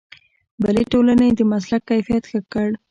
بلې ټولنې د مسلک کیفیت ښه کړ.